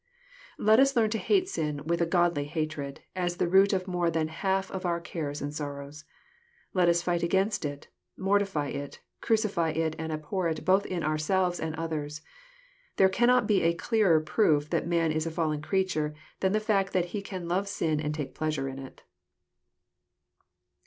Let us learn to hate sin with a godly hatred, as the root of more than half of our cares and sorrows. Let us fight against it, mortify it, crucify it, and abhor it both in ourselves and others. There cannot be a clearer proof that man is a fallen creature than the fact that he can love sin and take pleasure in it.